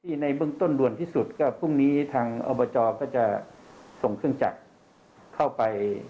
ในเบื้องต้นด่วนที่สุดก็พรุ่งนี้ทางอบจก็จะส่งเครื่องจักรเข้าไป